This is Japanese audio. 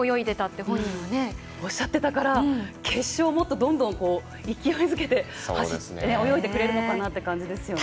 そう本人がおっしゃっていたから決勝、もっとどんどん勢いづけて泳いでくれるのかなという感じですよね。